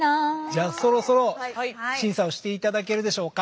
じゃあそろそろ審査をしていただけるでしょうか？